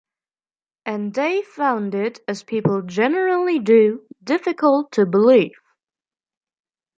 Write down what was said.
And they found it, as people generally do, difficult to believe.